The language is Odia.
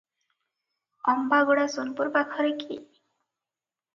ଅମ୍ବାଗୁଡା ସୋନପୁର ପାଖରେ କି?